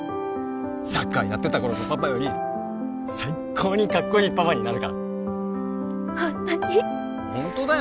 サッカーやってた頃のパパより最高にカッコいいパパになるからホントに？